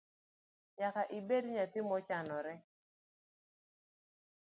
Nyaka ibed nyathi mo chanore.